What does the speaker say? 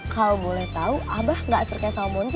kalau boleh tahu abah gak seriknya sama mondi apa